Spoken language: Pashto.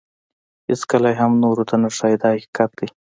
هیڅکله یې هم نورو ته نه ښایي دا حقیقت دی.